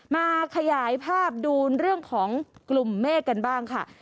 มาขยายภาพดูเรื่องของกลุ่มเมฆกันบ้างค่ะ